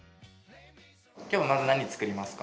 今日はまず何作りますか？